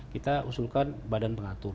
kita usulkan badan pengatur